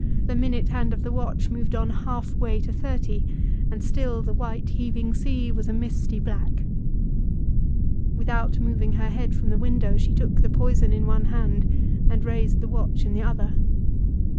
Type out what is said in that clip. The minute hand of the watch moved on half way to thirty, and still the white heaving sea was a misty blank. Without moving her head from the window, she took the poison in one hand, and raised the watch in the other.